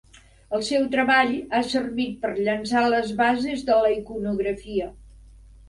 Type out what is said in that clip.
El seu treball ha servit per a llançar les bases de la iconografia.